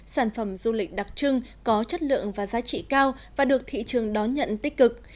sản phẩm du lịch đặc trưng có chất lượng và giá trị cao và được thị trường đón nhận tích cực